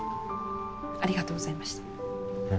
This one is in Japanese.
ありがとうございました。え？